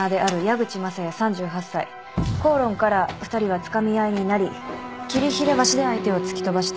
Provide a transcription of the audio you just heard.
口論から２人はつかみ合いになり桐平橋で相手を突き飛ばした。